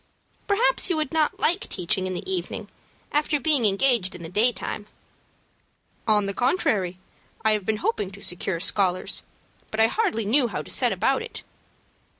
"Perhaps you would not like teaching in the evening, after being engaged in the daytime." "On the contrary, I have been hoping to secure scholars; but I hardly knew how to set about it."